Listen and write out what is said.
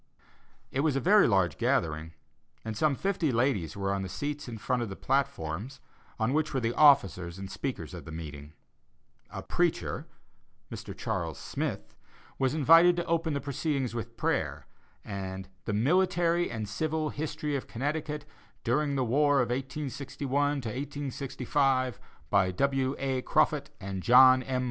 It was a very large gathering, and some fifty ladies were on the seats in front of the platform, on which were the officers and speakers of the meeting. A "preacher," Mr. Charles Smith, was invited to open the proceedings with prayer, and "The Military and Civil History of Connecticut, during the War of 1861 65," by W. A. Croffut and John M.